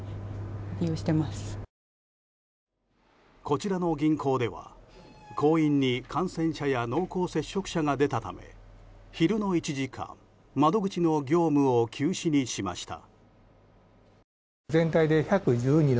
こちらの銀行では行員に感染者や濃厚接触者が出たため昼の１時間窓口の業務を休止にしました。